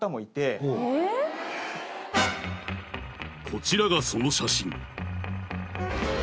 こちらがその写真